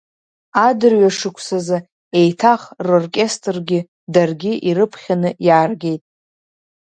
Адырҩашықәсазы еиҭах роркестргьы даргьы ирыԥхьаны иааргеит.